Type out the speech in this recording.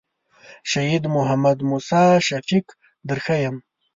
شهید محمد موسی شفیق در ښیم.